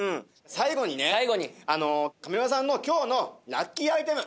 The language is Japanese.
最後にね上村さんの今日のラッキーアイテム！